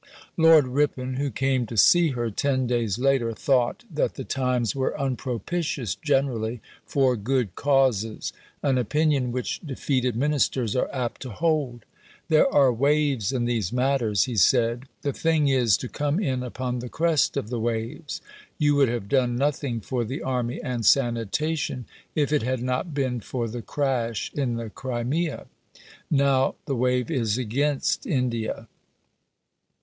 Lord Ripon, who came to see her ten days later, thought that the times were unpropitious generally for good causes an opinion which defeated Ministers are apt to hold. "There are waves in these matters," he said. "The thing is to come in upon the crest of the waves. You would have done nothing for the Army and Sanitation if it had not been for the crash in the Crimea. Now, the wave is against India."